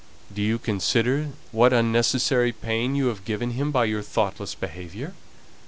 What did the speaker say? Do you consider what unnecessary pain you have given him by your thoughtless behaviour?